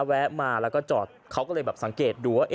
แวะมาแล้วก็จอดเขาก็เลยแบบสังเกตดูว่า